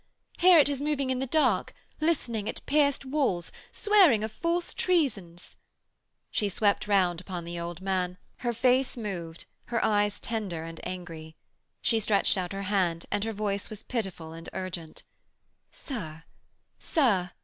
Here it is moving in the dark, listening at pierced walls, swearing of false treasons ' She swept round upon the old man, her face moved, her eyes tender and angry. She stretched out her hand, and her voice was pitiful and urgent. 'Sir! Sir!